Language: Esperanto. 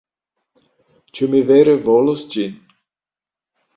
Ĉu mi vere volos ĝin?